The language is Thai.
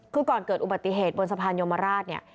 คือก่อนเกิดอุบัติเหตุบนสะพานยมราชเนี่ย